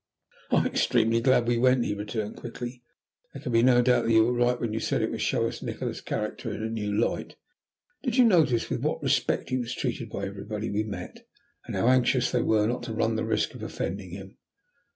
"I am extremely glad we went," he returned quickly. "There can be no doubt that you were right when you said that it would show us Nikola's character in a new light. Did you notice with what respect he was treated by everybody we met, and how anxious they were not to run the risk of offending him?"